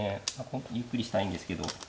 本当にゆっくりしたいんですけど。